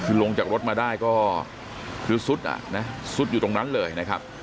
คือลงจากรถมาได้ก็คือซุดอ่ะนะซุดอยู่ตรงนั้นเลยนะครับ